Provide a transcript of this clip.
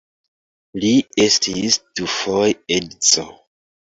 Li estis dufoje edzo.